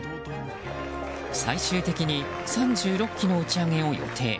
最終的に３６機の打ち上げを予定。